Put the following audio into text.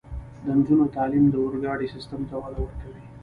د نجونو تعلیم د اورګاډي سیستم ته وده ورکوي.